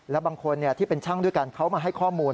และบางคนที่เป็นช่างด้วยกันเขามาให้ข้อมูล